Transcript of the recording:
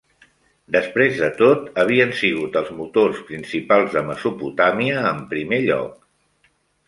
Després de tot, havien sigut els motors principals de Mesopotàmia en primer lloc.